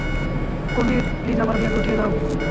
কবির, please আমার bag উঠিয়ে দাও।